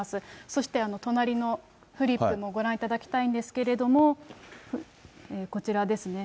そして隣のフリップもご覧いただきたいんですけれども、こちらですね。